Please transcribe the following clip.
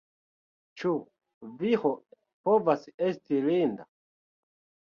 Ĉu viro povas esti linda?